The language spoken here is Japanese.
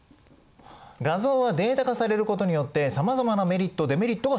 画像はデータ化されることによってさまざまなメリットデメリットが生じます。